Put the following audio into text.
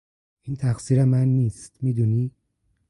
این تقصیر من نیست، میدونی.